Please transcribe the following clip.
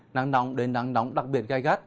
nắng nóng đến nắng nóng đặc biệt gai gắt